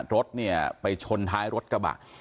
รถเนี่ยไปชนท้ายรถกระบะ